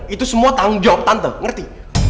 itu semua tanggung jawab tante ngerti